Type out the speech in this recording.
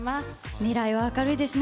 未来は明るいですね。